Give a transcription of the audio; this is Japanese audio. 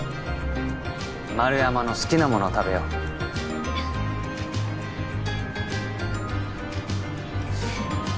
丸山の好きなものを食べよう。